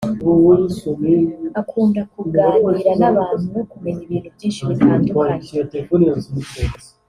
akunda kuganira n’abantu no kumenya ibintu byinshi bitandukanye